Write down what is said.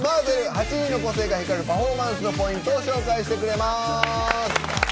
８人の個性が光るパフォーマンスのポイントを紹介してくれます。